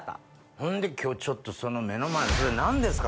ほんで今日ちょっとその目の前のそれ何ですか？